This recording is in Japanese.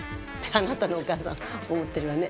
あなたのお母さん思ってるわね。